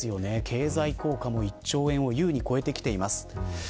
経済効果も１兆円をゆうに超えています。